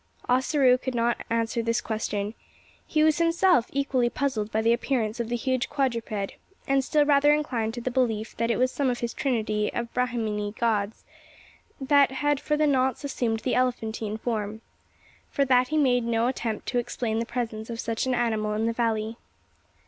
Ossaroo could not answer this question. He was himself equally puzzled by the appearance of the huge quadruped; and still rather inclined to the belief that it was some of his trinity of Brahminee gods, that had for the nonce assumed the elephantine form. For that reason he made no attempt to explain the presence of such an animal in the valley.